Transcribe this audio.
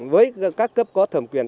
với các cấp có thẩm quyền